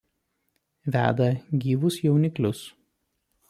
Veda gyvus jauniklius.